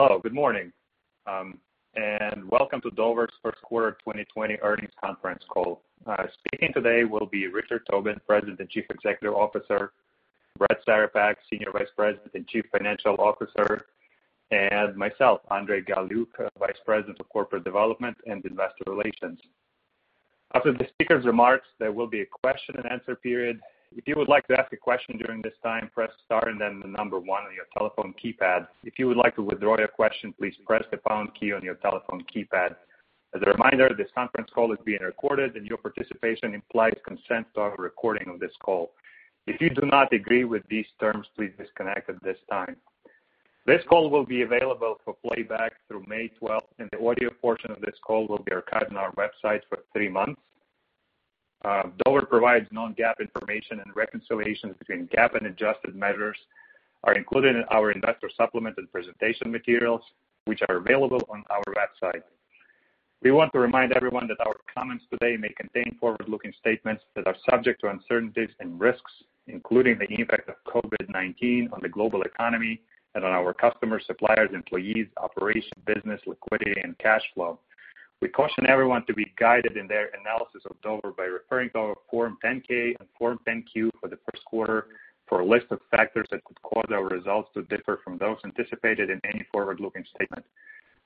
Hello, good morning, and welcome to Dover's first quarter 2020 earnings conference call. Speaking today will be Richard J. Tobin, President and Chief Executive Officer, Brad Cerepak, Senior Vice President and Chief Financial Officer, and myself, Andrey Galiuk, Vice President of Corporate Development and Investor Relations. After the speakers' remarks, there will be a question and answer period. If you would like to ask a question during this time, press star and then the number one on your telephone keypad. If you would like to withdraw your question, please press the pound key on your telephone keypad. As a reminder, this conference call is being recorded, and your participation implies consent to our recording of this call. If you do not agree with these terms, please disconnect at this time. This call will be available for playback through May 12th, and the audio portion of this call will be archived on our website for three months. Dover provides non-GAAP information, and reconciliations between GAAP and adjusted measures are included in our investor supplement and presentation materials, which are available on our website. We want to remind everyone that our comments today may contain forward-looking statements that are subject to uncertainties and risks, including the impact of COVID-19 on the global economy and on our customers, suppliers, employees, operations, business, liquidity, and cash flow. We caution everyone to be guided in their analysis of Dover by referring to our Form 10-K and Form 10-Q for the first quarter for a list of factors that could cause our results to differ from those anticipated in any forward-looking statement.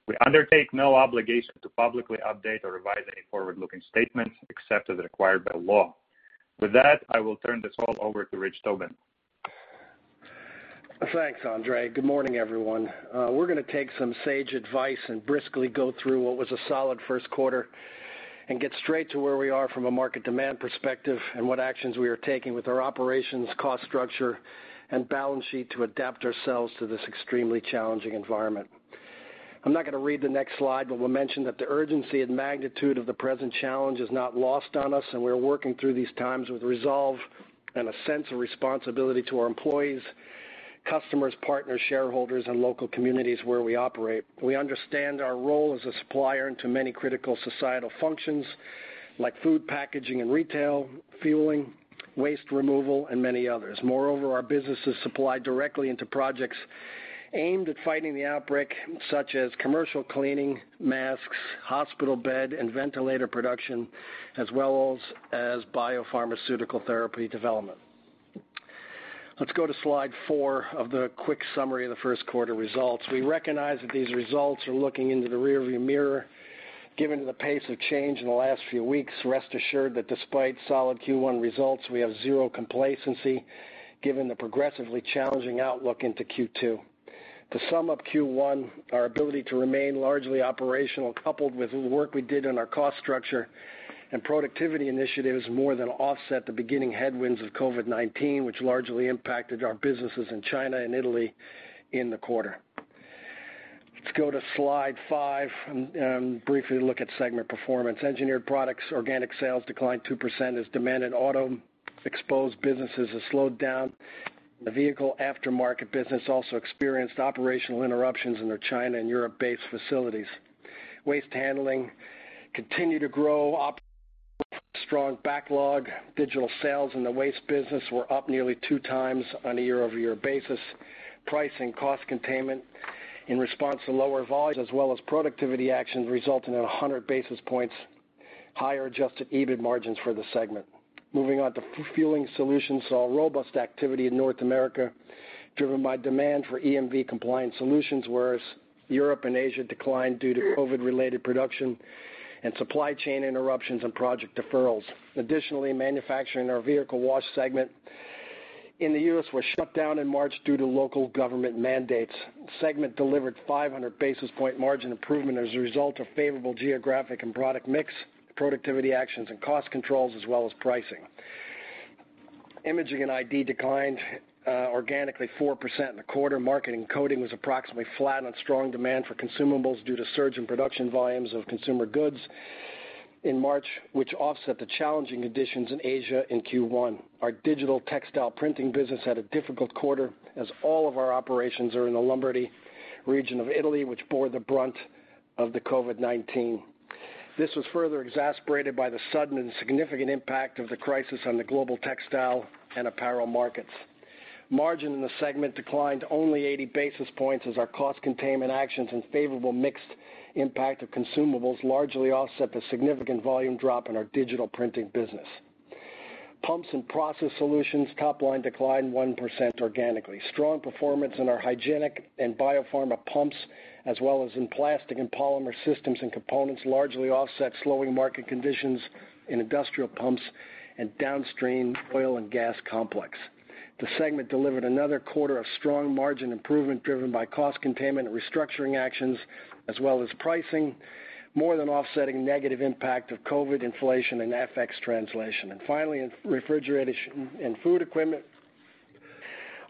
We undertake no obligation to publicly update or revise any forward-looking statements except as required by law. With that, I will turn this call over to Rich Tobin. Thanks, Andrey. Good morning, everyone. We're going to take some sage advice and briskly go through what was a solid first quarter and get straight to where we are from a market demand perspective and what actions we are taking with our operations, cost structure, and balance sheet to adapt ourselves to this extremely challenging environment. I'm not going to read the next slide, but will mention that the urgency and magnitude of the present challenge is not lost on us, and we're working through these times with resolve and a sense of responsibility to our employees, customers, partners, shareholders, and local communities where we operate. We understand our role as a supplier into many critical societal functions like food packaging and retail, fueling, waste removal, and many others. Moreover, our business is supplied directly into projects aimed at fighting the outbreak, such as commercial cleaning, masks, hospital bed, and ventilator production, as well as biopharmaceutical therapy development. Let's go to slide four of the quick summary of the first quarter results. We recognize that these results are looking into the rearview mirror. Given the pace of change in the last few weeks, rest assured that despite solid Q1 results, we have zero complacency given the progressively challenging outlook into Q2. To sum up Q1, our ability to remain largely operational, coupled with the work we did on our cost structure and productivity initiatives, more than offset the beginning headwinds of COVID-19, which largely impacted our businesses in China and Italy in the quarter. Let's go to slide five and briefly look at segment performance. Engineered Products organic sales declined 2% as demand in auto-exposed businesses has slowed down. The vehicle aftermarket business also experienced operational interruptions in their China and Europe-based facilities. Waste Handling continued to grow off strong backlog. Digital sales in the waste business were up nearly two times on a YoY basis. Price and cost containment in response to lower volume as well as productivity actions resulted in 100 basis points higher Adjusted EBIT margins for the segment. Moving on to Fueling Solutions, saw robust activity in North America driven by demand for EMV compliance solutions, whereas Europe and Asia declined due to COVID-related production and supply chain interruptions and project deferrals. Additionally, manufacturing in our Vehicle Wash segment in the U.S. was shut down in March due to local government mandates. Segment delivered 500 basis point margin improvement as a result of favorable geographic and product mix, productivity actions, and cost controls as well as pricing. Imaging & Identification declined organically 4% in the quarter. Marking and coding was approximately flat on strong demand for consumables due to surge in production volumes of consumer goods in March, which offset the challenging conditions in Asia in Q1. Our digital textile printing business had a difficult quarter as all of our operations are in the Lombardy region of Italy, which bore the brunt of the COVID-19. This was further exacerbated by the sudden and significant impact of the crisis on the global textile and apparel markets. Margin in the segment declined only 80 basis points as our cost containment actions and favorable mixed impact of consumables largely offset the significant volume drop in our digital printing business. Pumps & Process Solutions top line declined 1% organically. Strong performance in our hygienic and biopharma pumps, as well as in plastic and polymer systems and components, largely offset slowing market conditions in industrial pumps and downstream oil and gas complex. The segment delivered another quarter of strong margin improvement driven by cost containment and restructuring actions, as well as pricing, more than offsetting negative impact of COVID inflation and FX translation. Finally, in Refrigeration & Food Equipment,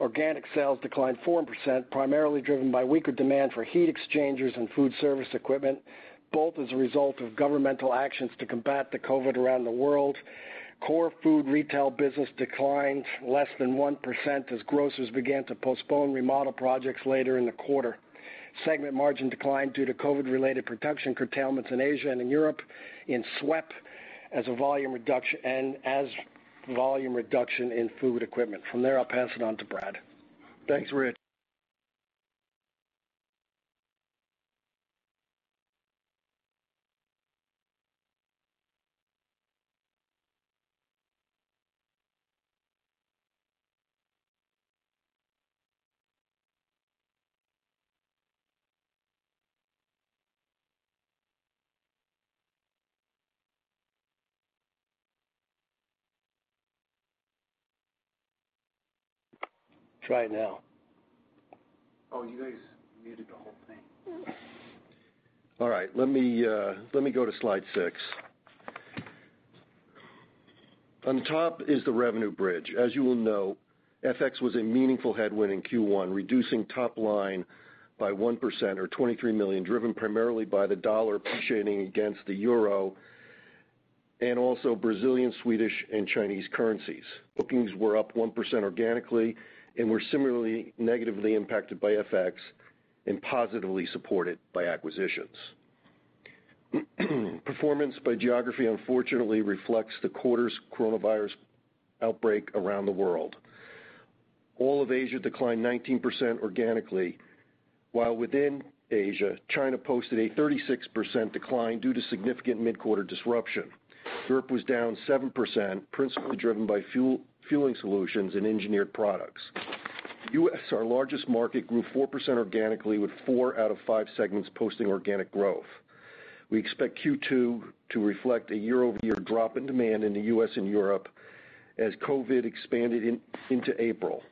organic sales declined 4%, primarily driven by weaker demand for heat exchangers and food service equipment, both as a result of governmental actions to combat the COVID around the world. Core food retail business declined less than 1% as grocers began to postpone remodel projects later in the quarter. Segment margin declined due to COVID related production curtailments in Asia and in Europe in SWEP as volume reduction in food equipment. From there, I'll pass it on to Brad. Thanks, Rich. Try it now. Oh, you guys muted the whole thing. All right. Let me go to slide six. On top is the revenue bridge. As you well know, FX was a meaningful headwind in Q1, reducing top line by 1% or $23 million, driven primarily by the dollar appreciating against the euro, and also Brazilian, Swedish, and Chinese currencies. Bookings were up 1% organically and were similarly negatively impacted by FX and positively supported by acquisitions. Performance by geography unfortunately reflects the quarter's COVID-19 outbreak around the world. All of Asia declined 19% organically, while within Asia, China posted a 36% decline due to significant mid-quarter disruption. Europe was down 7%, principally driven by Fueling Solutions and Engineered Products. U.S., our largest market, grew 4% organically with four out of five segments posting organic growth. We expect Q2 to reflect a YoY drop in demand in the U.S. and Europe as COVID-19 expanded into April.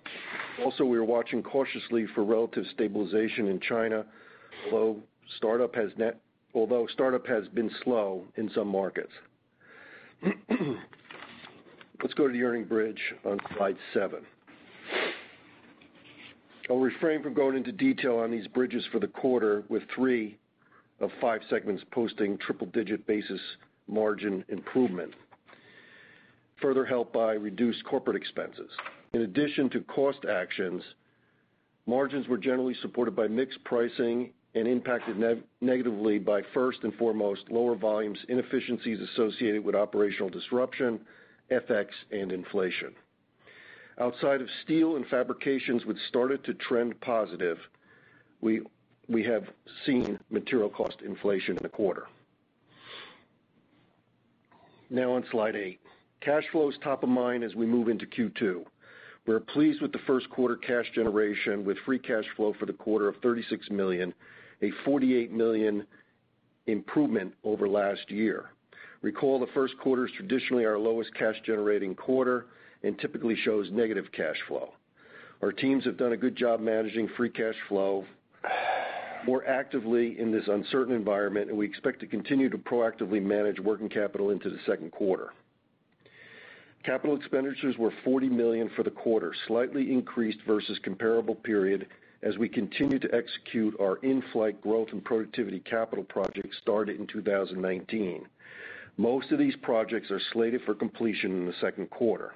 We are watching cautiously for relative stabilization in China, although startup has been slow in some markets. Let's go to the earnings bridge on slide seven. I'll refrain from going into detail on these bridges for the quarter, with three of five segments posting triple-digit basis margin improvement, further helped by reduced corporate expenses. In addition to cost actions, margins were generally supported by mixed pricing and impacted negatively by, first and foremost, lower volumes, inefficiencies associated with operational disruption, FX, and inflation. Outside of steel and fabrications, which started to trend positive, we have seen material cost inflation in the quarter. On slide eight. Cash flow is top of mind as we move into Q2. We're pleased with the first quarter cash generation, with free cash flow for the quarter of $36 million, a $48 million improvement over last year. Recall the first quarter is traditionally our lowest cash-generating quarter and typically shows negative cash flow. Our teams have done a good job managing free cash flow more actively in this uncertain environment, and we expect to continue to proactively manage working capital into the second quarter. Capital expenditures were $40 million for the quarter, slightly increased versus comparable period as we continue to execute our in-flight growth and productivity capital projects started in 2019. Most of these projects are slated for completion in the second quarter.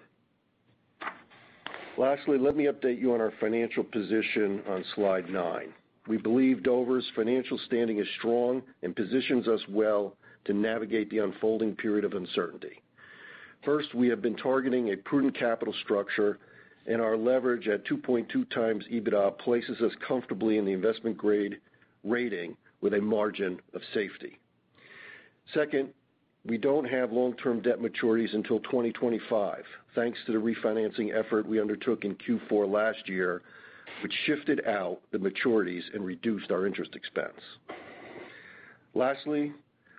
Lastly, let me update you on our financial position on slide nine. We believe Dover's financial standing is strong and positions us well to navigate the unfolding period of uncertainty. First, we have been targeting a prudent capital structure, and our leverage at 2.2x EBITDA places us comfortably in the investment-grade rating with a margin of safety. We don't have long-term debt maturities until 2025, thanks to the refinancing effort we undertook in Q4 last year, which shifted out the maturities and reduced our interest expense.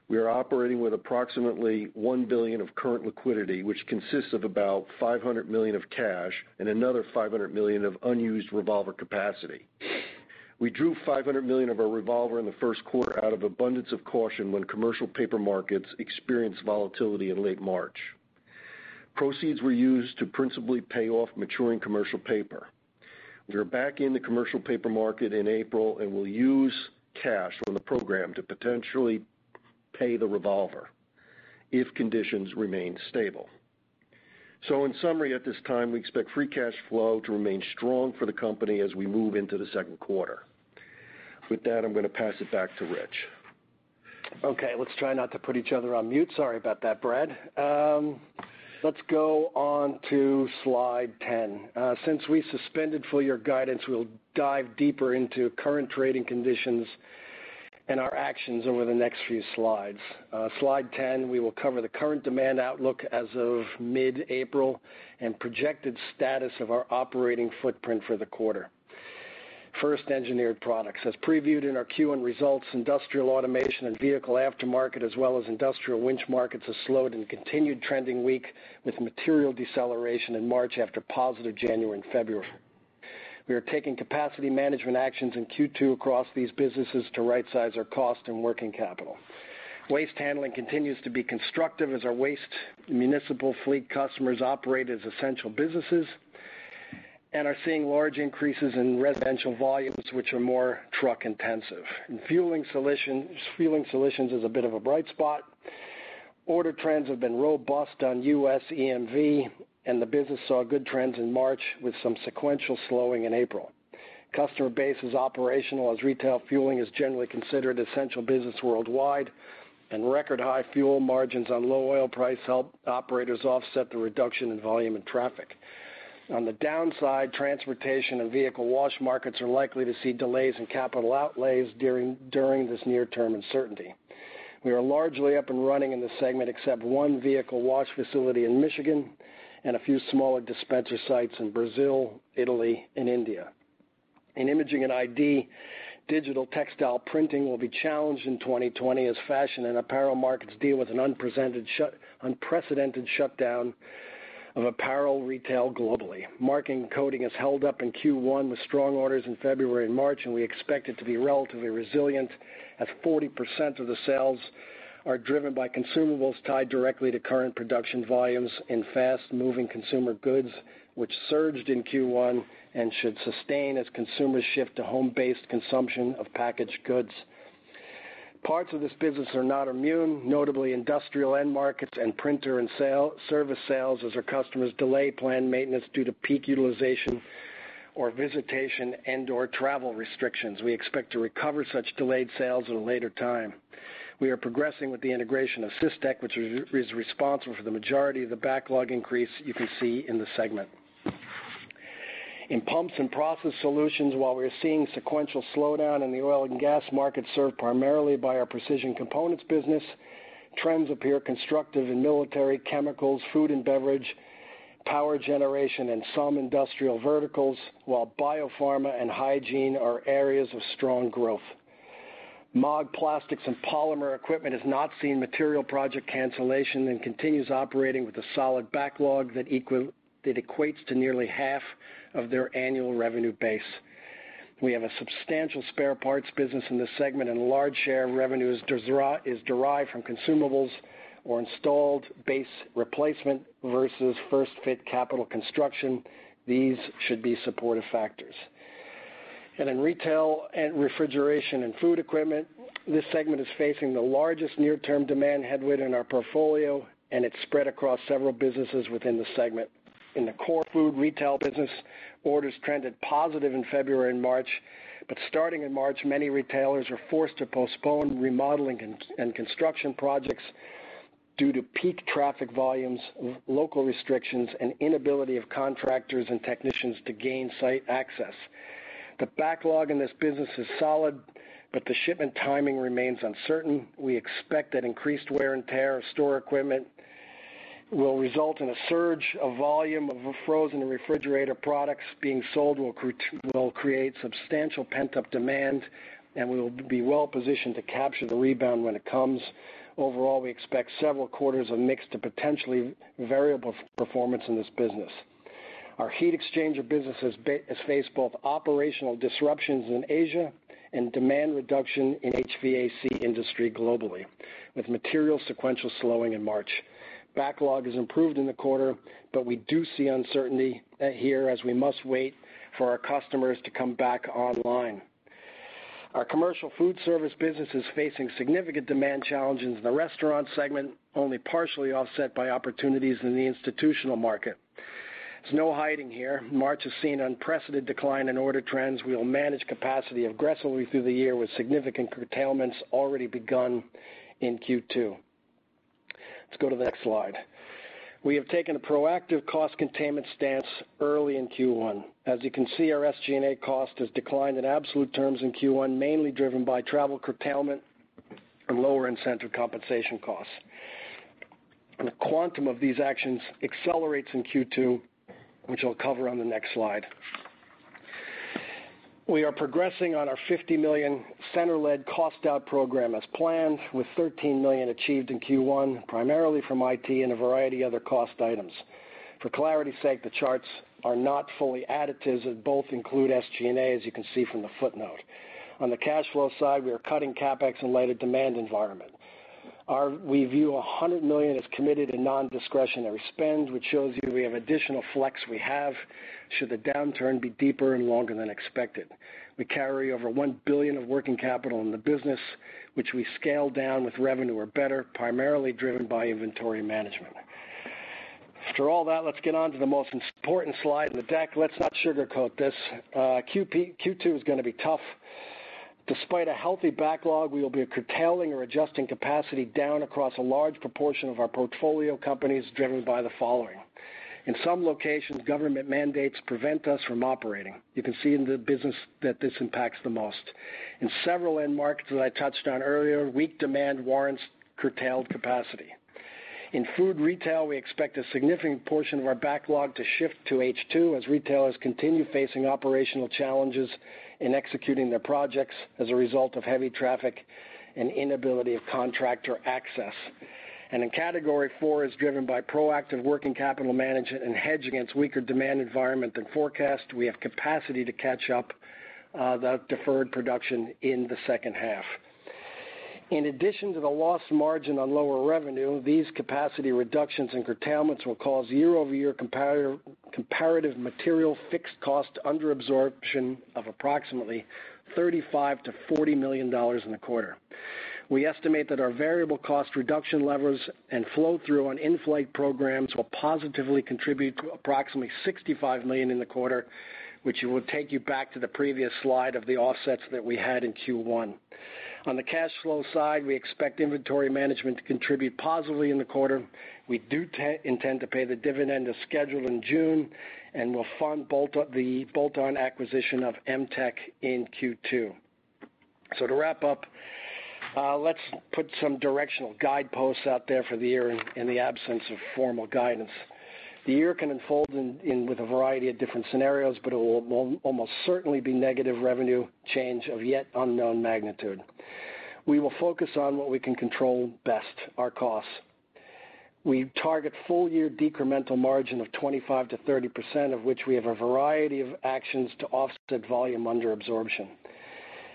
We are operating with approximately $1 billion of current liquidity, which consists of about $500 million of cash and another $500 million of unused revolver capacity. We drew $500 million of our revolver in the first quarter out of abundance of caution when commercial paper markets experienced volatility in late March. Proceeds were used to principally pay off maturing commercial paper. We are back in the commercial paper market in April and will use cash from the program to potentially pay the revolver if conditions remain stable. In summary, at this time, we expect free cash flow to remain strong for the company as we move into the second quarter. With that, I'm going to pass it back to Rich. Okay, let's try not to put each other on mute. Sorry about that, Brad. Let's go on to slide 10. Since we suspended full-year guidance, we'll dive deeper into current trading conditions and our actions over the next few slides. Slide 10, we will cover the current demand outlook as of mid-April and projected status of our operating footprint for the quarter. First, Engineered Products. As previewed in our Q1 results, industrial automation and vehicle aftermarket, as well as industrial winch markets have slowed and continued trending weak with material deceleration in March after positive January and February. We are taking capacity management actions in Q2 across these businesses to rightsize our cost and working capital. Waste handling continues to be constructive as our waste municipal fleet customers operate as essential businesses and are seeing large increases in residential volumes, which are more truck intensive. In Fueling Solutions, Fueling Solutions is a bit of a bright spot. Order trends have been robust on U.S. EMV, and the business saw good trends in March with some sequential slowing in April. Customer base is operational as retail fueling is generally considered essential business worldwide, and record high fuel margins on low oil price help operators offset the reduction in volume and traffic. On the downside, transportation and vehicle wash markets are likely to see delays in capital outlays during this near-term uncertainty. We are largely up and running in this segment, except one vehicle wash facility in Michigan and a few smaller dispenser sites in Brazil, Italy, and India. In Imaging & Identification, digital textile printing will be challenged in 2020 as fashion and apparel markets deal with an unprecedented shutdown of apparel retail globally. Marking and coding has held up in Q1 with strong orders in February and March, and we expect it to be relatively resilient as 40% of the sales are driven by consumables tied directly to current production volumes in fast-moving consumer goods, which surged in Q1 and should sustain as consumers shift to home-based consumption of packaged goods. Parts of this business are not immune, notably industrial end markets and printer and service sales, as our customers delay planned maintenance due to peak utilization or visitation and/or travel restrictions. We expect to recover such delayed sales at a later time. We are progressing with the integration of Systech, which is responsible for the majority of the backlog increase you can see in the segment. In Pumps & Process Solutions, while we are seeing sequential slowdown in the oil and gas market served primarily by our precision components business, trends appear constructive in military, chemicals, food and beverage, power generation, and some industrial verticals, while biopharma and hygiene are areas of strong growth. Maag Plastics and Polymer equipment has not seen material project cancellation and continues operating with a solid backlog that equates to nearly half of their annual revenue base. We have a substantial spare parts business in this segment, and a large share of revenue is derived from consumables or installed base replacement versus first-fit capital construction. These should be supportive factors. In Refrigeration & Food Equipment, this segment is facing the largest near-term demand headwind in our portfolio, and it's spread across several businesses within the segment. In the core food retail business, orders trended positive in February and March, but starting in March, many retailers were forced to postpone remodeling and construction projects due to peak traffic volumes, local restrictions, and inability of contractors and technicians to gain site access. The backlog in this business is solid, but the shipment timing remains uncertain. We expect that increased wear and tear of store equipment will result in a surge of volume of frozen and refrigerator products being sold, will create substantial pent-up demand, and we will be well-positioned to capture the rebound when it comes. Overall, we expect several quarters of mixed to potentially variable performance in this business. Our heat exchanger business has faced both operational disruptions in Asia and demand reduction in HVAC industry globally, with material sequential slowing in March. Backlog has improved in the quarter, we do see uncertainty here as we must wait for our customers to come back online. Our commercial food service business is facing significant demand challenges in the restaurant segment, only partially offset by opportunities in the institutional market. There's no hiding here. March has seen unprecedented decline in order trends. We'll manage capacity aggressively through the year with significant curtailments already begun in Q2. Let's go to the next slide. We have taken a proactive cost containment stance early in Q1. As you can see, our SG&A cost has declined in absolute terms in Q1, mainly driven by travel curtailment and lower incentive compensation costs. The quantum of these actions accelerates in Q2, which I'll cover on the next slide. We are progressing on our $50 million center-led cost-out program as planned, with $13 million achieved in Q1, primarily from IT and a variety of other cost items. For clarity's sake, the charts are not fully additive, as both include SG&A, as you can see from the footnote. On the cash flow side, we are cutting CapEx in light of demand environment. We view $100 million as committed in non-discretionary spend, which shows you we have additional flex we have, should the downturn be deeper and longer than expected. We carry over $1 billion of working capital in the business, which we scale down with revenue or better, primarily driven by inventory management. After all that, let's get on to the most important slide in the deck. Let's not sugarcoat this. Q2 is going to be tough. Despite a healthy backlog, we will be curtailing or adjusting capacity down across a large proportion of our portfolio companies, driven by the following. In some locations, government mandates prevent us from operating. You can see in the business that this impacts the most. In several end markets that I touched on earlier, weak demand warrants curtailed capacity. In food retail, we expect a significant portion of our backlog to shift to H2 as retailers continue facing operational challenges in executing their projects as a result of heavy traffic and inability of contractor access. In category four is driven by proactive working capital management and hedge against weaker demand environment than forecast. We have capacity to catch up that deferred production in the second half. In addition to the lost margin on lower revenue, these capacity reductions and curtailments will cause YoY comparative material fixed cost under-absorption of approximately $35 million-$40 million in the quarter. We estimate that our variable cost reduction levers and flow-through on in-flight programs will positively contribute to approximately $65 million in the quarter, which will take you back to the previous slide of the offsets that we had in Q1. On the cash flow side, we expect inventory management to contribute positively in the quarter. We do intend to pay the dividend as scheduled in June, and will fund the bolt-on acquisition of Em-tec in Q2. To wrap up, let's put some directional guideposts out there for the year in the absence of formal guidance. The year can unfold with a variety of different scenarios, but it will almost certainly be negative revenue change of yet unknown magnitude. We will focus on what we can control best, our costs. We target full year decremental margin of 25%-30%, of which we have a variety of actions to offset volume under absorption.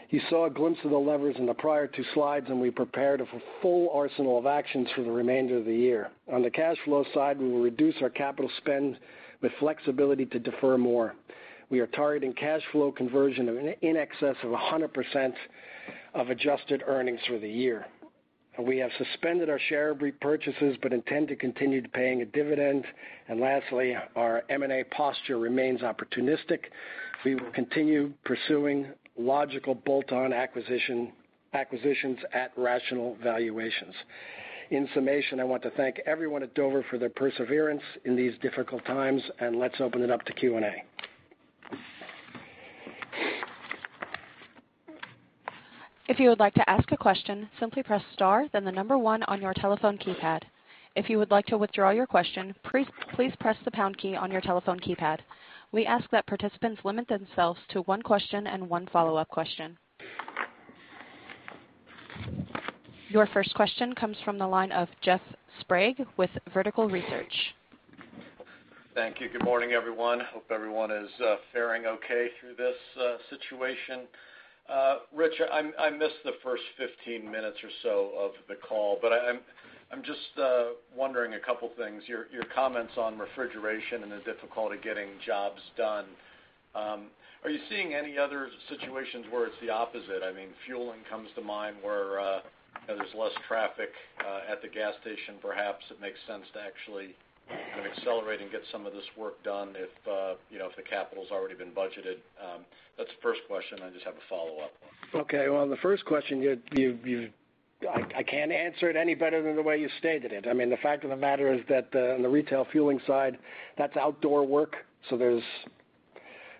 You saw a glimpse of the levers in the prior two slides, and we prepared a full arsenal of actions for the remainder of the year. On the cash flow side, we will reduce our capital spend with flexibility to defer more. We are targeting cash flow conversion in excess of 100% of adjusted earnings for the year. We have suspended our share repurchases but intend to continue paying a dividend. Lastly, our M&A posture remains opportunistic. We will continue pursuing logical bolt-on acquisitions at rational valuations. In summation, I want to thank everyone at Dover for their perseverance in these difficult times, and let's open it up to Q&A. If you would like to ask a question, simply press star, then the number one on your telephone keypad. If you would like to withdraw your question, please press the pound key on your telephone keypad. We ask that participants limit themselves to one question and one follow-up question. Your first question comes from the line of Jeff Sprague with Vertical Research. Thank you. Good morning, everyone. Hope everyone is fairing okay through this situation. Rich, I missed the first 15 minutes or so of the call, I'm just wondering a couple things. Your comments on refrigeration and the difficulty getting jobs done, are you seeing any other situations where it's the opposite? Fueling comes to mind, where there's less traffic at the gas station, perhaps it makes sense to actually kind of accelerate and get some of this work done if the capital's already been budgeted. That's the first question. I just have a follow-up. Okay. Well, on the first question, I can't answer it any better than the way you stated it. The fact of the matter is that on the retail fueling side, that's outdoor work, so there's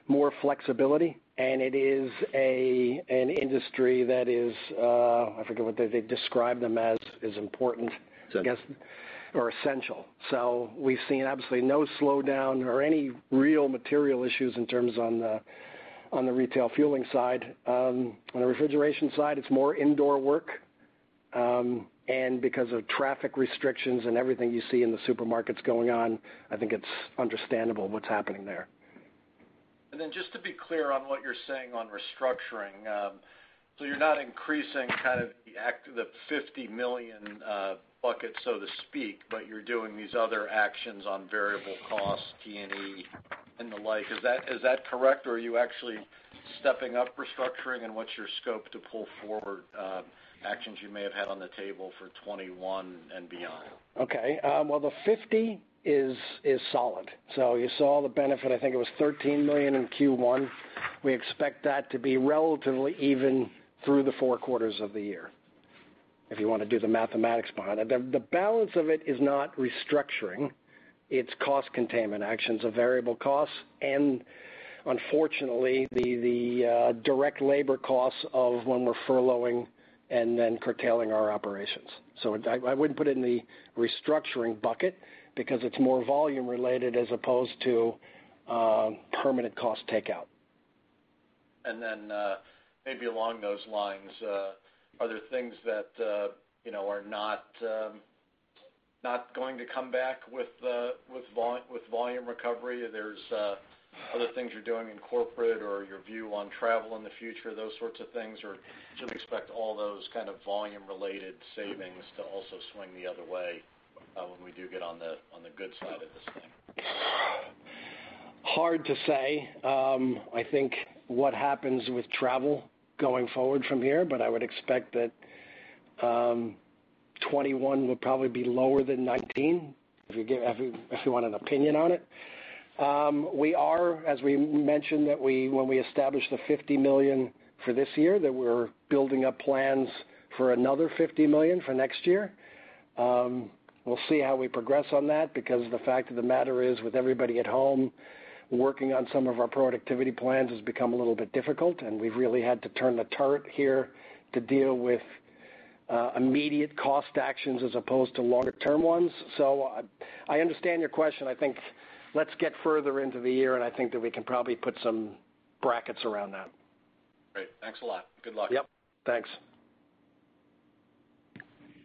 more flexibility, and it is an industry that is, I forget what they describe them as important, I guess. Essential. Or essential. We've seen absolutely no slowdown or any real material issues in terms on the retail fueling side. On the refrigeration side, it's more indoor work, because of traffic restrictions and everything you see in the supermarkets going on, I think it's understandable what's happening there. Just to be clear on what you're saying on restructuring. You're not increasing kind of the $50 million bucket, so to speak, but you're doing these other actions on variable costs, G&A and the like. Is that correct, or are you actually stepping up restructuring, and what's your scope to pull forward actions you may have had on the table for 2021 and beyond? Okay. The 50 is solid. You saw the benefit, I think it was $13 million in Q1. We expect that to be relatively even through the four quarters of the year, if you want to do the mathematics behind it. The balance of it is not restructuring, it's cost containment actions of variable costs and unfortunately, the direct labor costs of when we're furloughing and then curtailing our operations. I wouldn't put it in the restructuring bucket because it's more volume related as opposed to permanent cost takeout. Maybe along those lines, are there things that are not going to come back with volume recovery? Are there other things you're doing in corporate or your view on travel in the future, those sorts of things? Should we expect all those kind of volume related savings to also swing the other way when we do get on the good side of this thing? Hard to say, I think what happens with travel going forward from here. I would expect that 2021 will probably be lower than 2019, if you want an opinion on it. We are, as we mentioned, when we established the $50 million for this year, that we're building up plans for another $50 million for next year. We'll see how we progress on that because the fact of the matter is with everybody at home, working on some of our productivity plans has become a little bit difficult, and we've really had to turn the turret here to deal with immediate cost actions as opposed to longer term ones. I understand your question. I think let's get further into the year, and I think that we can probably put some brackets around that. Great. Thanks a lot. Good luck. Yep. Thanks.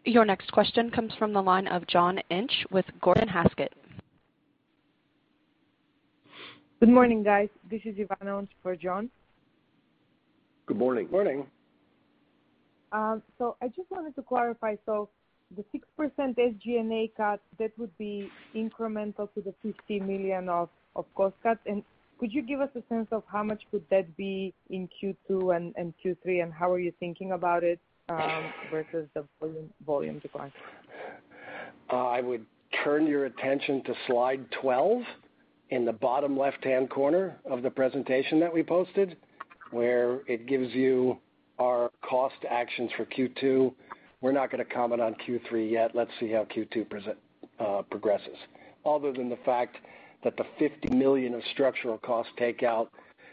Your next question comes from the line of John Inch with Gordon Haskett. Good morning, guys. This is Ivana, on for John. Good morning. Good morning. I just wanted to clarify, so the 6% SG&A cut, that would be incremental to the $50 million of cost cuts? Could you give us a sense of how much would that be in Q2 and Q3, and how are you thinking about it, versus the volume decline? I would turn your attention to slide 12 in the bottom left-hand corner of the presentation that we posted, where it gives you our cost actions for Q2. We're not going to comment on Q3 yet. Let's see how Q2 progresses, other than the fact that the $50 million of structural cost takeout,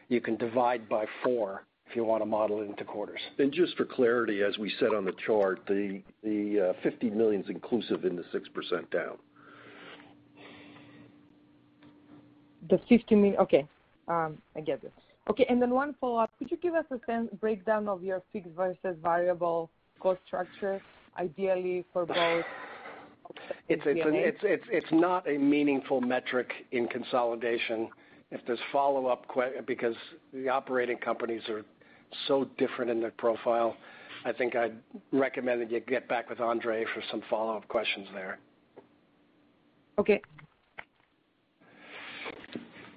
you can divide by four if you want to model it into quarters. Just for clarity, as we said on the chart, the $50 million's inclusive in the 6% down. The $50 million. Okay. I get it. Okay, one follow-up. Could you give us a breakdown of your fixed versus variable cost structure, ideally for both SG&A? It's not a meaningful metric in consolidation. Because the operating companies are so different in their profile. I think I'd recommend that you get back with Andrey for some follow-up questions there. Okay.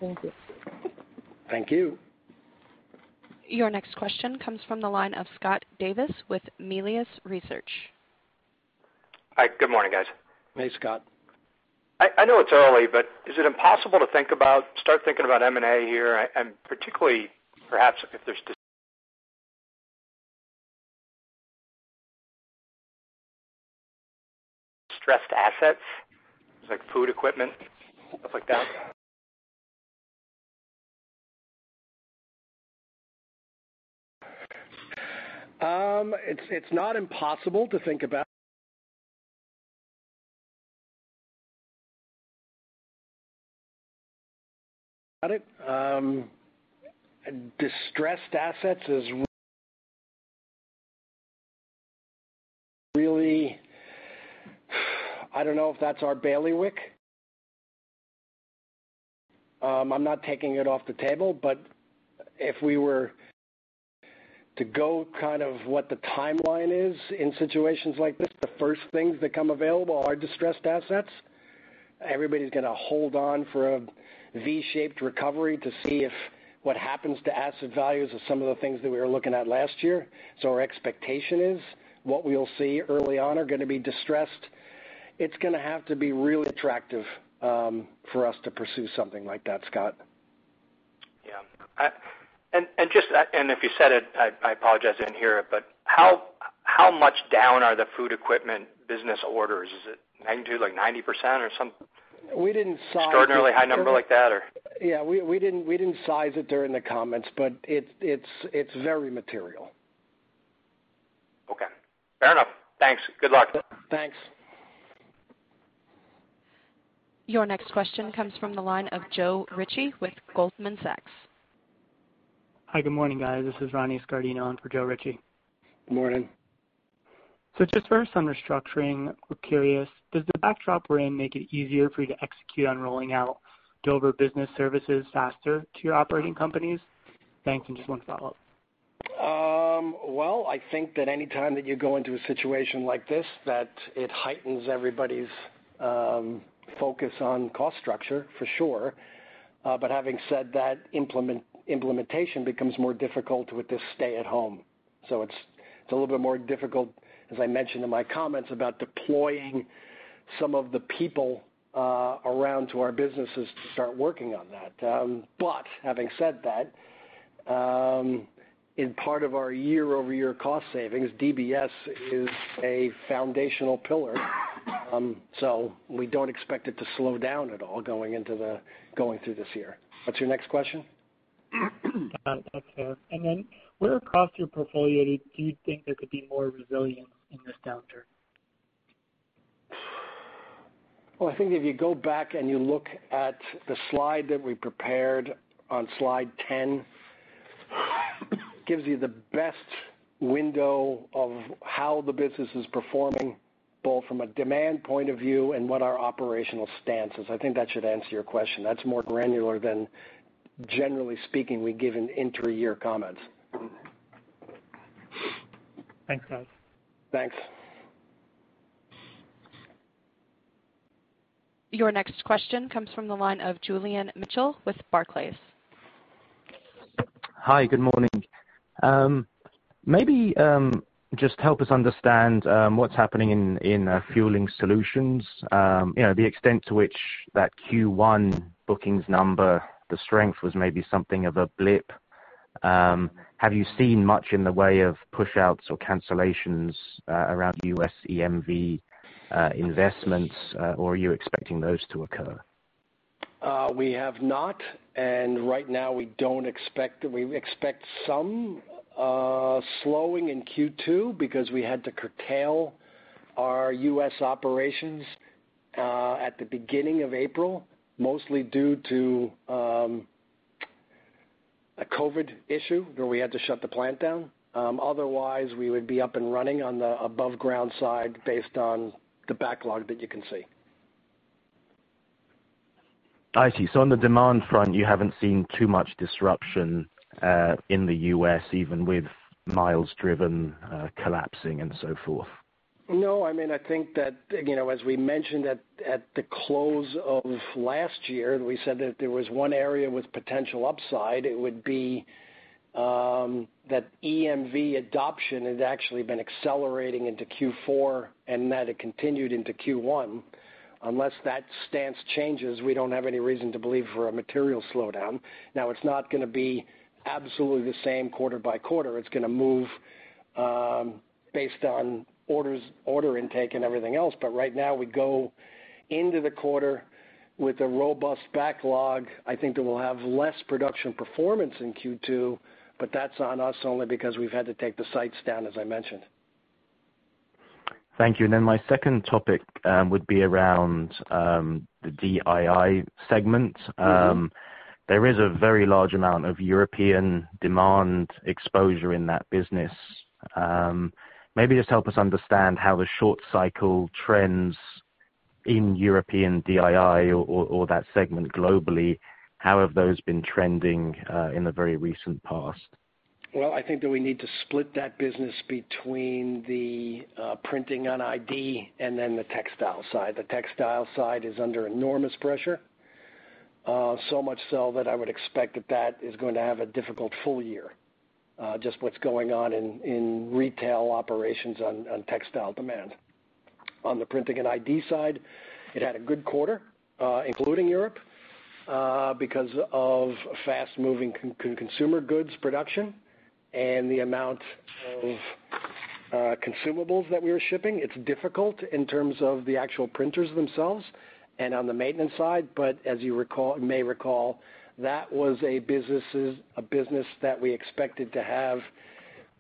Thank you. Thank you. Your next question comes from the line of Scott Davis with Melius Research. Hi. Good morning, guys. Hey, Scott. I know it's early, is it impossible to start thinking about M&A here? Particularly, perhaps if there's distressed assets, like food equipment, stuff like that? It's not impossible to think about it. Distressed assets is really I don't know if that's our bailiwick. I'm not taking it off the table, but if we were to go kind of what the timeline is in situations like this, the first things that come available are distressed assets. Everybody's going to hold on for a V-shaped recovery to see if what happens to asset values of some of the things that we were looking at last year. Our expectation is what we'll see early on are going to be distressed. It's going to have to be really attractive for us to pursue something like that, Scott. Yeah. If you said it, I apologize, I didn't hear it, but how much down are the Food Equipment business orders? Is it 90%, like 90%? We didn't size it. Extraordinarily high number like that, or? Yeah, we didn't size it during the comments, but it's very material. Okay. Fair enough. Thanks. Good luck. Thanks. Your next question comes from the line of Joe Ritchie with Goldman Sachs. Hi. Good morning, guys. This is Ronny Scardino on for Joe Ritchie. Morning. Just first on restructuring, we're curious, does the backdrop rain make it easier for you to execute on rolling out Dover Business Services faster to your operating companies? Thanks. Just one follow-up. Well, I think that any time that you go into a situation like this, that it heightens everybody's focus on cost structure, for sure. Having said that, implementation becomes more difficult with this stay at home. It's a little bit more difficult, as I mentioned in my comments, about deploying some of the people around to our businesses to start working on that. Having said that, in part of our YoY cost savings, DBS is a foundational pillar. We don't expect it to slow down at all going through this year. What's your next question? That's fair. Where across your portfolio do you think there could be more resilience in this downturn? Well, I think if you go back and you look at the slide that we prepared on slide 10, gives you the best window of how the business is performing, both from a demand point of view and what our operational stance is. I think that should answer your question. That's more granular than generally speaking we give in inter-year comments. Thanks, guys. Thanks. Your next question comes from the line of Julian Mitchell with Barclays. Hi. Good morning. Maybe just help us understand what's happening in Fueling Solutions. The extent to which that Q1 bookings number, the strength was maybe something of a blip. Have you seen much in the way of pushouts or cancellations around U.S. EMV investments, or are you expecting those to occur? We have not, right now we expect some slowing in Q2 because we had to curtail our U.S. operations at the beginning of April, mostly due to a COVID issue where we had to shut the plant down. Otherwise, we would be up and running on the above ground side based on the backlog that you can see. I see. On the demand front, you haven't seen too much disruption in the U.S. even with miles driven collapsing and so forth? No. I think that, as we mentioned at the close of last year, we said that there was one area with potential upside, it would be that EMV adoption had actually been accelerating into Q4 and that it continued into Q1. Unless that stance changes, we don't have any reason to believe for a material slowdown. Now, it's not going to be absolutely the same quarter-by-quarter. It's going to move based on order intake and everything else. Right now, we go into the quarter with a robust backlog. I think that we'll have less production performance in Q2, but that's on us only because we've had to take the sites down, as I mentioned. Thank you. My second topic would be around the DII segment. There is a very large amount of European demand exposure in that business. Maybe just help us understand how the short cycle trends in European DII or that segment globally, how have those been trending in the very recent past? Well, I think that we need to split that business between the printing on ID and then the textile side. The textile side is under enormous pressure. Much so that I would expect that is going to have a difficult full year, just what's going on in retail operations on textile demand. On the printing and ID side, it had a good quarter, including Europe, because of fast-moving consumer goods production and the amount of consumables that we were shipping. It's difficult in terms of the actual printers themselves and on the maintenance side. As you may recall, that was a business that we expected to have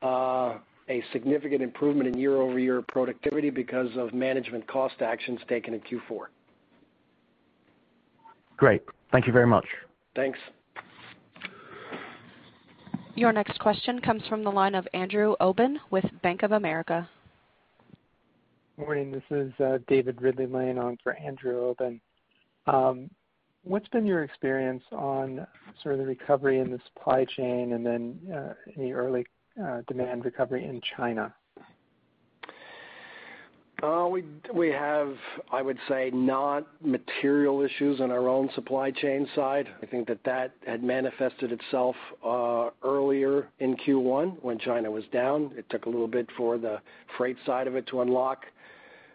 a significant improvement in YoY productivity because of management cost actions taken in Q4. Great. Thank you very much. Thanks. Your next question comes from the line of Andrew Obin with Bank of America. Morning, this is David Ridley-Lane on for Andrew Obin. What's been your experience on sort of the recovery in the supply chain and then any early demand recovery in China? We have, I would say, not material issues on our own supply chain side. I think that had manifested itself earlier in Q1 when China was down. It took a little bit for the freight side of it to unlock.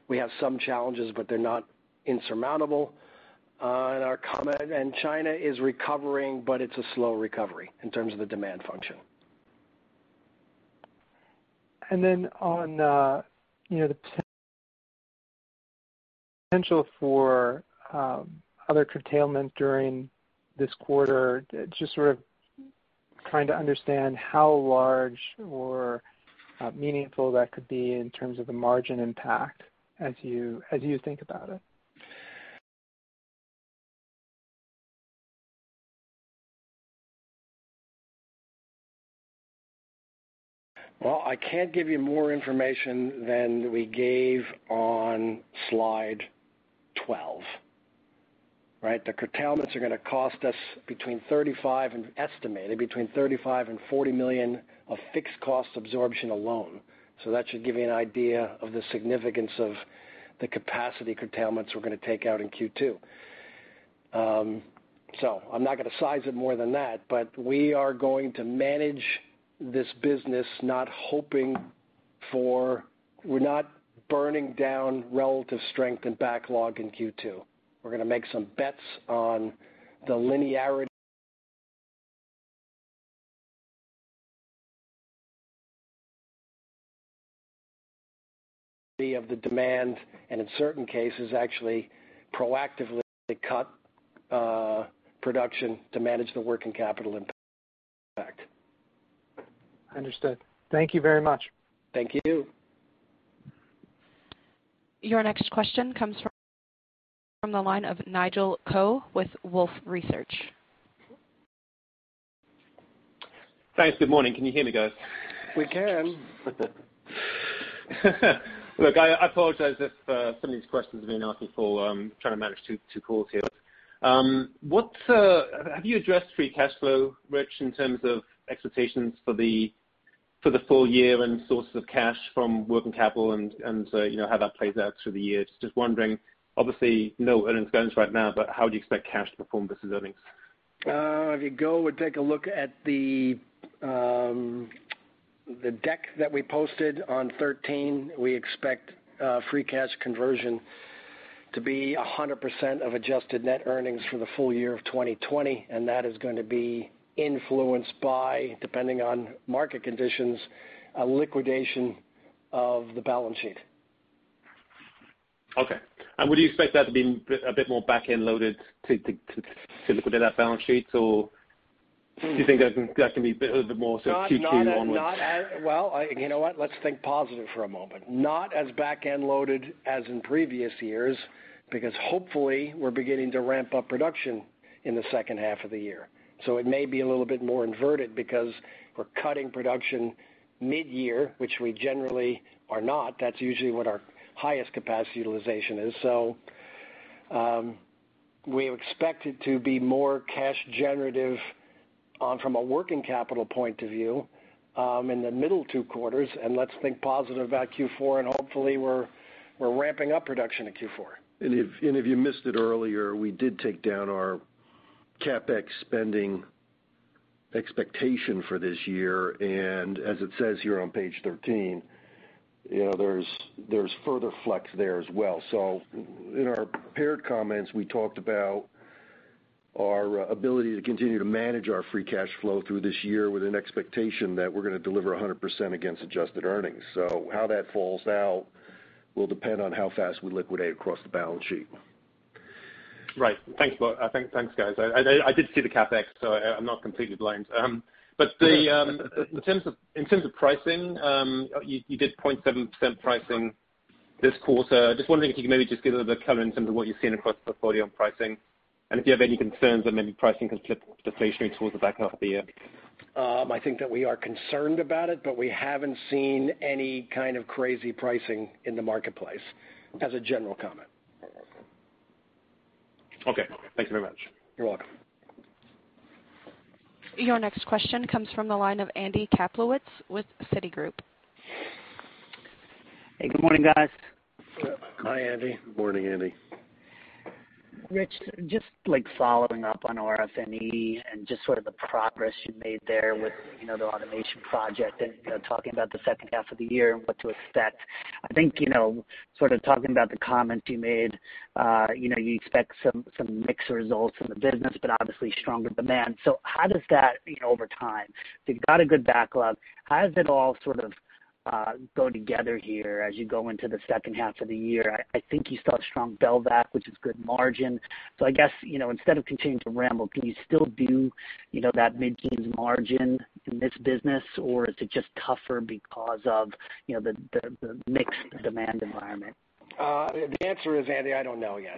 We have some challenges, but they're not insurmountable. China is recovering, but it's a slow recovery in terms of the demand function. On the potential for other curtailment during this quarter, just sort of trying to understand how large or meaningful that could be in terms of the margin impact as you think about it. Well, I can't give you more information than we gave on slide 12, right? The curtailments are going to cost us, estimated between $35 million and $40 million of fixed cost absorption alone. That should give you an idea of the significance of the capacity curtailments we're going to take out in Q2. I'm not going to size it more than that, but we are going to manage this business we're not burning down relative strength and backlog in Q2. We're going to make some bets on the linearity of the demand, and in certain cases, actually proactively cut production to manage the working capital impact. Understood. Thank you very much. Thank you. Your next question comes from the line of Nigel Coe with Wolfe Research. Thanks. Good morning. Can you hear me, guys? We can. I apologize if some of these questions have been asked before. I'm trying to manage two calls here. Have you addressed free cash flow, Rich, in terms of expectations for the full year and sources of cash from working capital and how that plays out through the year? Just wondering, obviously no earnings guidance right now, how do you expect cash to perform versus earnings? If you go and take a look at the deck that we posted on 13, we expect free cash conversion to be 100% of adjusted net earnings for the full year of 2020. That is going to be influenced by, depending on market conditions, a liquidation of the balance sheet. Okay. Would you expect that to be a bit more back-end loaded to look within that balance sheet? Do you think that can be a bit more sort of Q2 onwards? Well, you know what? Let's think positive for a moment. Not as back-end loaded as in previous years, because hopefully we're beginning to ramp up production in the second half of the year. It may be a little bit more inverted because we're cutting production mid-year, which we generally are not. That's usually what our highest capacity utilization is. We expect it to be more cash generative from a working capital point of view in the middle two quarters, and let's think positive about Q4, and hopefully we're ramping up production in Q4. If you missed it earlier, we did take down our CapEx spending expectation for this year. As it says here on page 13, there's further flex there as well. In our prepared comments, we talked about our ability to continue to manage our free cash flow through this year with an expectation that we're going to deliver 100% against adjusted earnings. How that falls out will depend on how fast we liquidate across the balance sheet. Right. Thanks, guys. I did see the CapEx. I'm not completely blind. In terms of pricing, you did 0.7% pricing this quarter. Just wondering if you could maybe just give a little bit of color in terms of what you're seeing across the portfolio on pricing, and if you have any concerns that maybe pricing can flip deflationary towards the back half of the year. I think that we are concerned about it, but we haven't seen any kind of crazy pricing in the marketplace, as a general comment. Okay. Thank you very much. You're welcome. Your next question comes from the line of Andy Kaplowitz with Citigroup. Hey, good morning, guys. Hi, Andy. Morning, Andy. Rich, just following up on RF&E and just sort of the progress you made there with the automation project and talking about the second half of the year and what to expect. I think, sort of talking about the comments you made, you expect some mixed results in the business, but obviously stronger demand. How does that, over time, you've got a good backlog. How does it all sort of go together here as you go into the second half of the year? I think you still have strong Belvac, which is good margin. I guess, instead of continuing to ramble, can you still do that mid-teens margin in this business, or is it just tougher because of the mixed demand environment? The answer is, Andy, I don't know yet.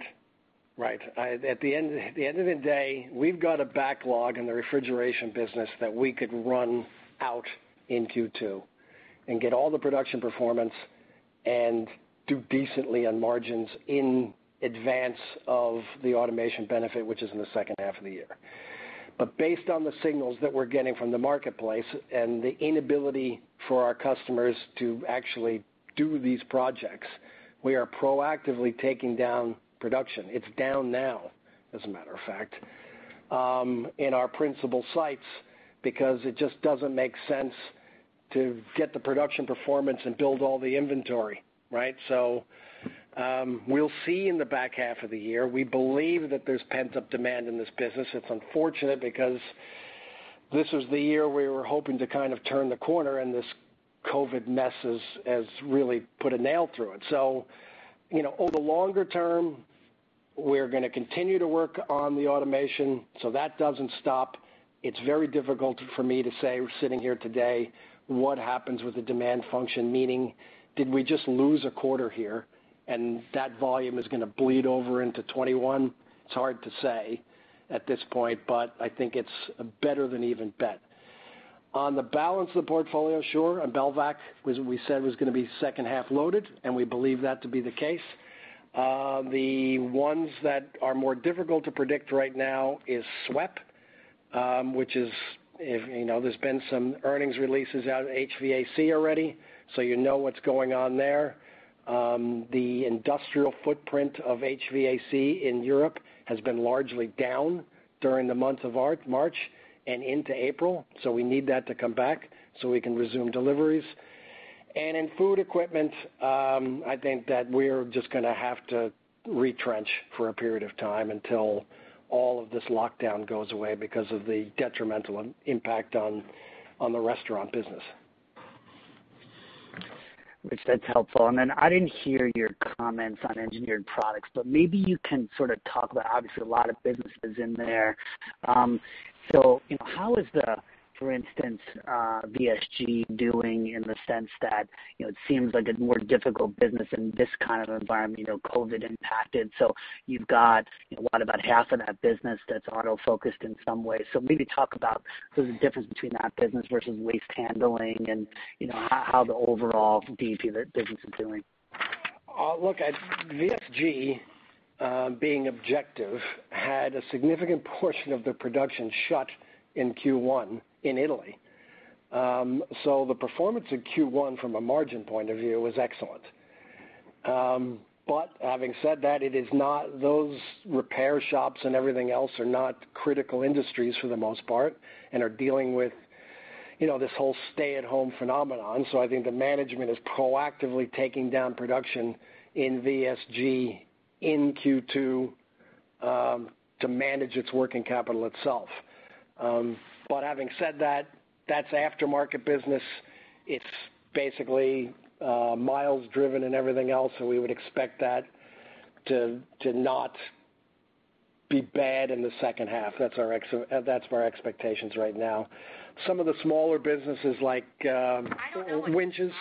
Right. At the end of the day, we've got a backlog in the refrigeration business that we could run out in Q2 and get all the production performance and do decently on margins in advance of the automation benefit, which is in the second half of the year. Based on the signals that we're getting from the marketplace and the inability for our customers to actually do these projects, we are proactively taking down production. It's down now, as a matter of fact, in our principal sites, because it just doesn't make sense to get the production performance and build all the inventory. Right? We'll see in the back half of the year. We believe that there's pent-up demand in this business. It's unfortunate because this was the year we were hoping to kind of turn the corner, and this COVID mess has really put a nail through it. Over the longer term, we're going to continue to work on the automation, so that doesn't stop. It's very difficult for me to say, we're sitting here today, what happens with the demand function, meaning did we just lose a quarter here and that volume is going to bleed over into 2021? It's hard to say at this point, but I think it's a better than even bet. On the balance of the portfolio, sure. Belvac, we said was going to be second half loaded, and we believe that to be the case. The ones that are more difficult to predict right now is SWEP, which there's been some earnings releases out of HVAC already, so you know what's going on there. The industrial footprint of HVAC in Europe has been largely down during the months of March and into April. We need that to come back so we can resume deliveries. In food equipment, I think that we're just going to have to retrench for a period of time until all of this lockdown goes away because of the detrimental impact on the restaurant business. Rich, that's helpful. Then I didn't hear your comments on Engineered Products, maybe you can sort of talk about obviously a lot of businesses in there. How is the, for instance, VSG doing in the sense that it seems like a more difficult business in this kind of environment, COVID impacted. You've got, what about half of that business that's auto-focused in some way. Maybe talk about the difference between that business versus waste handling and how the overall business is doing. VSG, being objective, had a significant portion of their production shut in Q1 in Italy. The performance in Q1 from a margin point of view was excellent. Having said that, those repair shops and everything else are not critical industries for the most part and are dealing with this whole stay-at-home phenomenon. I think the management is proactively taking down production in VSG in Q2 to manage its working capital itself. Having said that's aftermarket business. It's basically miles driven and everything else, so we would expect that to not be bad in the second half. That's our expectations right now. Some of the smaller businesses like winches.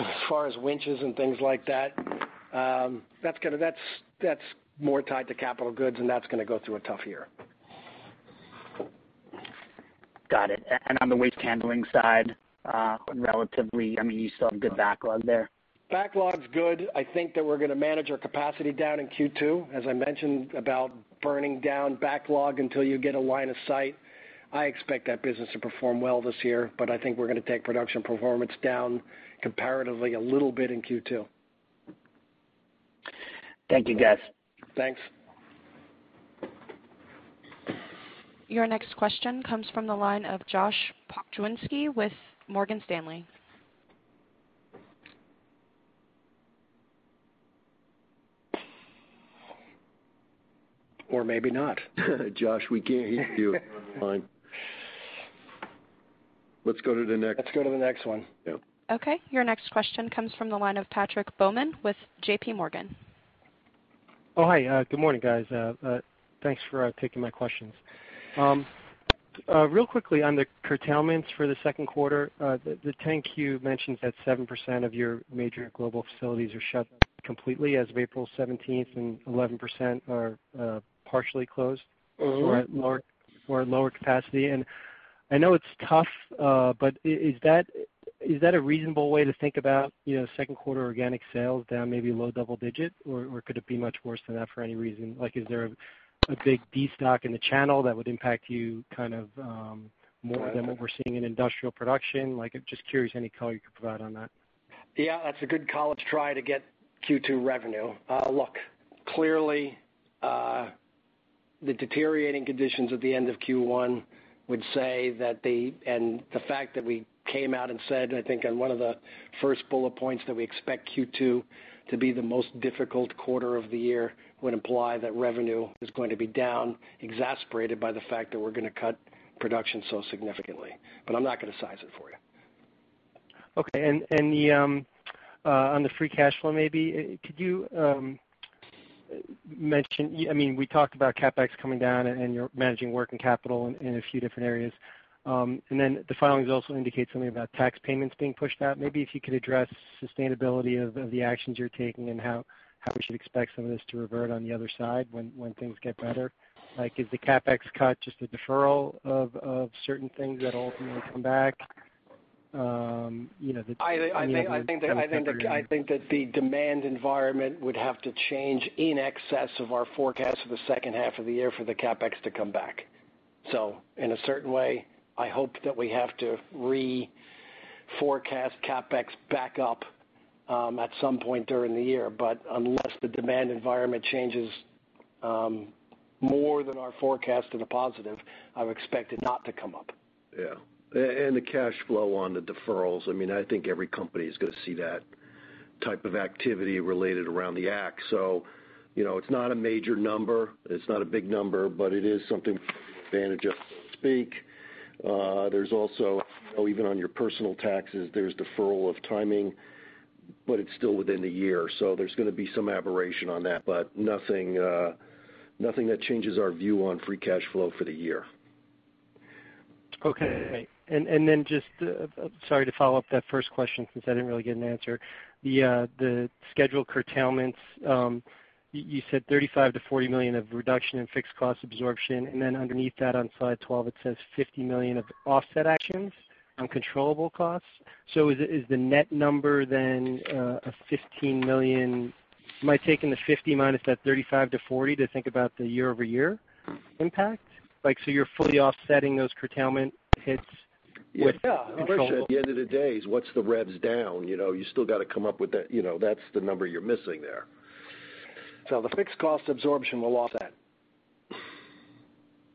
As far as winches and things like that's more tied to capital goods, and that's going to go through a tough year. Got it. On the waste handling side, relatively, you still have good backlog there? Backlog's good. I think that we're going to manage our capacity down in Q2. As I mentioned about burning down backlog until you get a line of sight, I expect that business to perform well this year. I think we're going to take production performance down comparatively a little bit in Q2. Thank you, guys. Thanks. Your next question comes from the line of Josh Pokrzywinski with Morgan Stanley. Maybe not. Josh, we can't hear you on the line. Let's go to the next. Let's go to the next one. Yep. Okay, your next question comes from the line of Patrick Baumann with JPMorgan. Hi. Good morning, guys. Thanks for taking my questions. Real quickly on the curtailments for the second quarter. The 10-Q mentions that 7% of your major global facilities are shut down completely as of April 17th, and 11% are partially closed. Or at lower capacity. I know it's tough, but is that a reasonable way to think about second quarter organic sales down maybe low double digit, or could it be much worse than that for any reason? Is there a big destock in the channel that would impact you more than what we're seeing in industrial production? Just curious any color you could provide on that. Yeah, that's a good call. Let's try to get Q2 revenue. Look, clearly, the deteriorating conditions at the end of Q1 would say that they, and the fact that we came out and said, I think on one of the first bullet points, that we expect Q2 to be the most difficult quarter of the year, would imply that revenue is going to be down, exacerbated by the fact that we're going to cut production so significantly. I'm not going to size it for you. Okay. On the free cash flow, maybe, could you mention, we talked about CapEx coming down and you're managing working capital in a few different areas. Then the filings also indicate something about tax payments being pushed out. Maybe if you could address sustainability of the actions you're taking and how we should expect some of this to revert on the other side when things get better. Is the CapEx cut just a deferral of certain things that will ultimately come back? I think that the demand environment would have to change in excess of our forecast for the second half of the year for the CapEx to come back. In a certain way, I hope that we have to reforecast CapEx back up at some point during the year. Unless the demand environment changes more than our forecast in a positive, I would expect it not to come up. Yeah. The cash flow on the deferrals, I think every company is going to see that type of activity related around the Act. It's not a major number, it's not a big number, but it is something to take advantage of, so to speak. There's also, even on your personal taxes, there's deferral of timing, but it's still within the year. There's going to be some aberration on that, but nothing that changes our view on free cash flow for the year. Okay, great. Just, sorry to follow-up that first question, since I didn't really get an answer. The scheduled curtailments, you said $35 million-$40 million of reduction in fixed cost absorption, then underneath that on slide 12, it says $50 million of offset actions on controllable costs. Is the net number then a $15 million? Am I taking the $50 million minus that $35 million-$40 million to think about the YoY impact? You're fully offsetting those curtailment hits with controllable- Yeah. The question at the end of the day is, what's the revs down? You still got to come up with that. That's the number you're missing there. The fixed cost absorption will offset.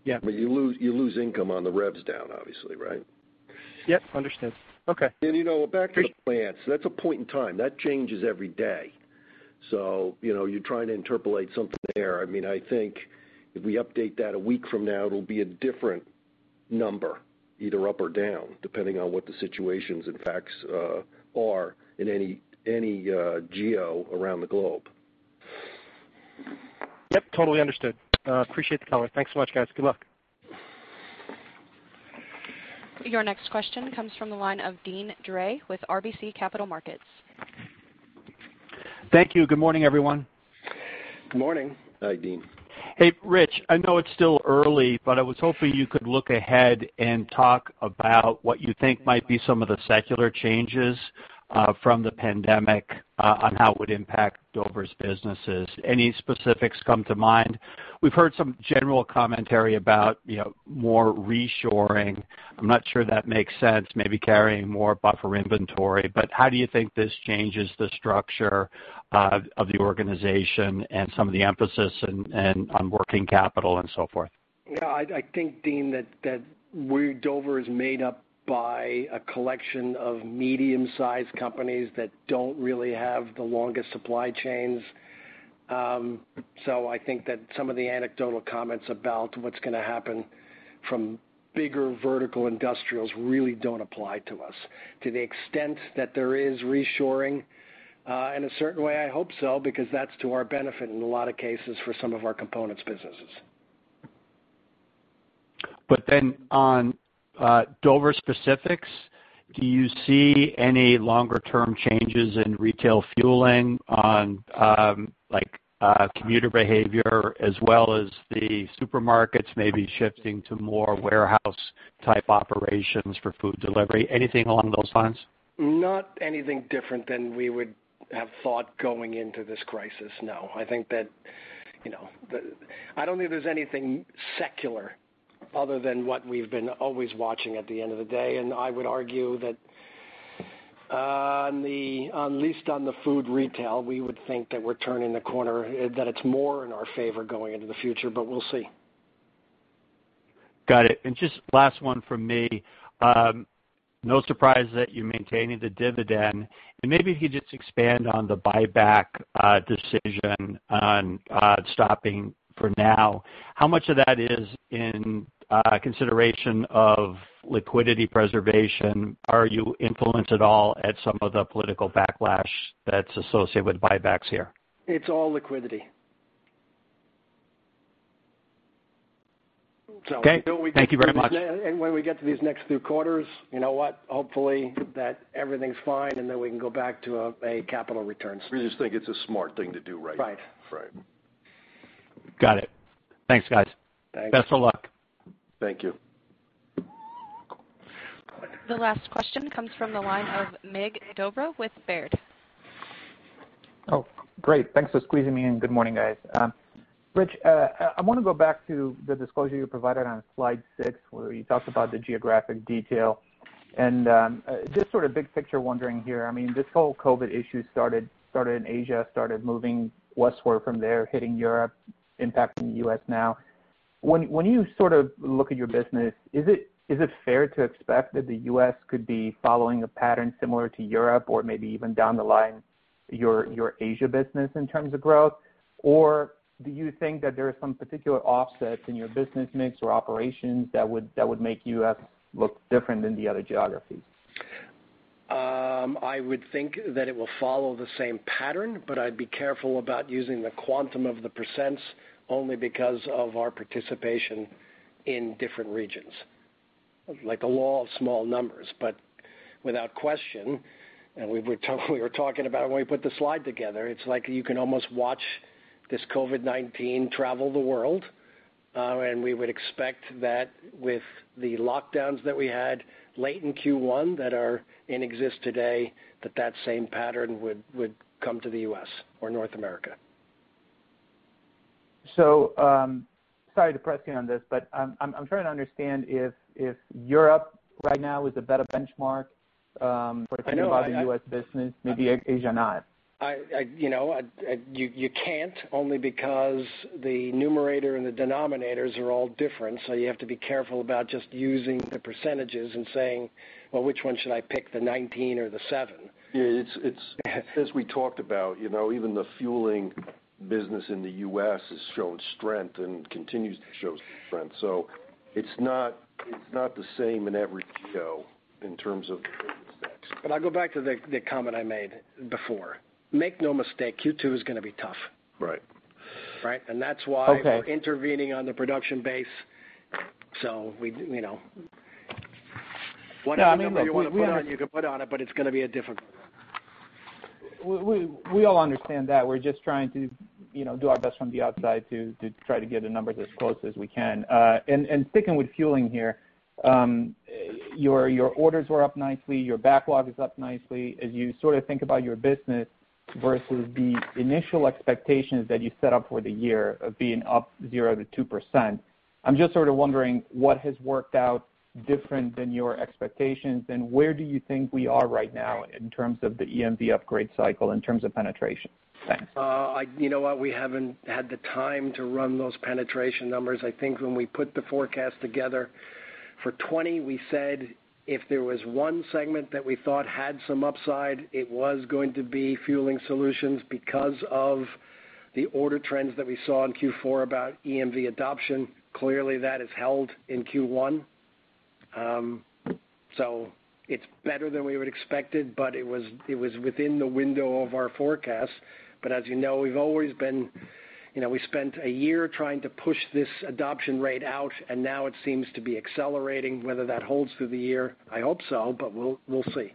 Yeah. You lose income on the revs down obviously, right? Yep, understood. Okay. Appreciate it. Back to the plants, that's a point in time. That changes every day. You're trying to interpolate something there. I think if we update that a week from now, it'll be a different number, either up or down, depending on what the situations and facts are in any geo around the globe. Yep, totally understood. Appreciate the color. Thanks so much, guys. Good luck. Your next question comes from the line of Deane Dray with RBC Capital Markets. Thank you. Good morning, everyone. Good morning. Hi, Deane. Hey, Rich. I know it's still early, but I was hoping you could look ahead and talk about what you think might be some of the secular changes from the pandemic on how it would impact Dover's businesses. Any specifics come to mind? We've heard some general commentary about more reshoring. I'm not sure that makes sense, maybe carrying more buffer inventory. How do you think this changes the structure of the organization and some of the emphasis on working capital and so forth? I think, Deane, that Dover is made up by a collection of medium-sized companies that don't really have the longest supply chains. I think that some of the anecdotal comments about what's going to happen from bigger vertical industrials really don't apply to us. To the extent that there is reshoring, in a certain way, I hope so, because that's to our benefit in a lot of cases for some of our components businesses. On Dover specifics, do you see any longer-term changes in retail fueling on commuter behavior as well as the supermarkets maybe shifting to more warehouse-type operations for food delivery? Anything along those lines? Not anything different than we would have thought going into this crisis, no. I don't think there's anything secular other than what we've been always watching at the end of the day. I would argue that at least on the food retail, we would think that we're turning the corner, that it's more in our favor going into the future, but we'll see. Got it. Just last one from me. No surprise that you're maintaining the dividend. Maybe if you could just expand on the buyback decision on stopping for now. How much of that is in consideration of liquidity preservation? Are you influenced at all at some of the political backlash that's associated with buybacks here? It's all liquidity. Okay. Thank you very much. When we get to these next two quarters, you know what? Hopefully that everything's fine, and then we can go back to a capital returns. We just think it's a smart thing to do right now. Right. Right. Got it. Thanks, guys. Thanks. Best of luck. Thank you. The last question comes from the line of Mircea Dobre with Baird. Oh, great. Thanks for squeezing me in. Good morning, guys. Rich, I want to go back to the disclosure you provided on slide six, where you talked about the geographic detail. Just sort of big picture wondering here, this whole COVID issue started in Asia, started moving westward from there, hitting Europe, impacting the U.S. now. When you look at your business, is it fair to expect that the U.S. could be following a pattern similar to Europe or maybe even down the line, your Asia business in terms of growth? Do you think that there are some particular offsets in your business mix or operations that would make U.S. look different than the other geographies? I would think that it will follow the same pattern, but I'd be careful about using the quantum of the percents only because of our participation in different regions. Like the law of small numbers. Without question, and we were talking about it when we put the slide together, it's like you can almost watch this COVID-19 travel the world. We would expect that with the lockdowns that we had late in Q1 that are in exist today, that that same pattern would come to the U.S. or North America. Sorry to press you on this, but I'm trying to understand if Europe right now is a better benchmark? I know. For thinking about the U.S. business, maybe Asia not. You can't, only because the numerator and the denominators are all different. You have to be careful about just using the percentage and saying, "Well, which one should I pick, the 19 or the seven? Yeah. As we talked about, even the fueling business in the U.S. has shown strength and continues to show strength. It's not the same in every geo in terms of the business mix. I'll go back to the comment I made before. Make no mistake, Q2 is going to be tough. Right. Right? Okay We're intervening on the production base. Whatever number you want to put on it, you can put on it, but it's going to be a difficult one. We all understand that. We're just trying to do our best from the outside to try to get the numbers as close as we can. Sticking with Fueling Solutions here, your orders were up nicely, your backlog is up nicely. As you think about your business versus the initial expectations that you set up for the year of being up 0%-2%, I'm just sort of wondering what has worked out different than your expectations, and where do you think we are right now in terms of the EMV upgrade cycle in terms of penetration? Thanks. You know what? We haven't had the time to run those penetration numbers. I think when we put the forecast together for 2020, we said if there was one segment that we thought had some upside, it was going to be Fueling Solutions because of the order trends that we saw in Q4 about EMV adoption. Clearly, that has held in Q1. It's better than we would expected, but it was within the window of our forecast. As you know, we spent a year trying to push this adoption rate out, and now it seems to be accelerating. Whether that holds through the year, I hope so, but we'll see.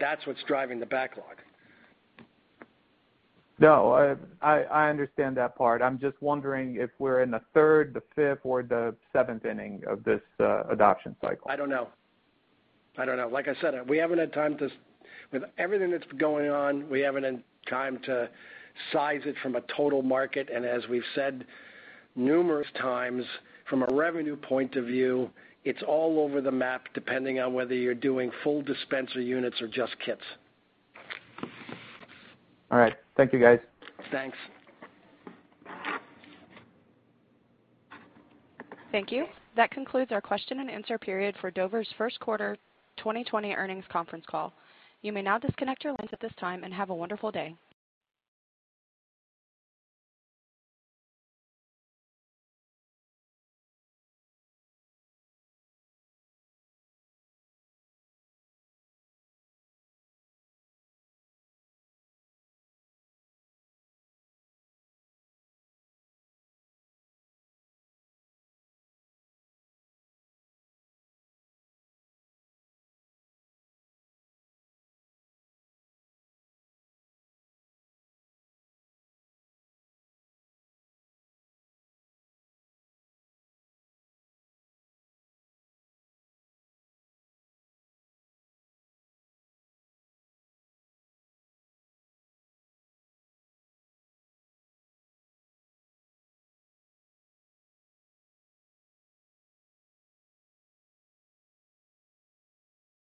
That's what's driving the backlog. No, I understand that part. I'm just wondering if we're in the third, the fifth, or the seventh inning of this adoption cycle. I don't know. Like I said, with everything that's going on, we haven't had time to size it from a total market. As we've said numerous times, from a revenue point of view, it's all over the map depending on whether you're doing full dispenser units or just kits. All right. Thank you, guys. Thanks. Thank you. That concludes our question and answer period for Dover's first quarter 2020 earnings conference call. You may now disconnect your lines at this time, and have a wonderful day.